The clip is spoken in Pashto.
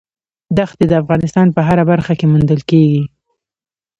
دښتې د افغانستان په هره برخه کې موندل کېږي.